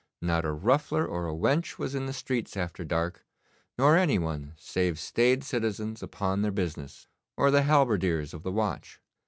Not a ruffler or a wench was in the streets after dark, nor any one save staid citizens upon their business, or the halberdiers of the watch.